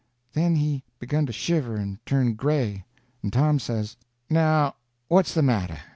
Then he begun to shiver and turn gray, and Tom says: "Now what's the matter?